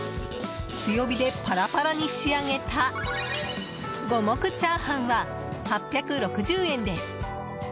強火でパラパラに仕上げた五目炒飯は８６０円です。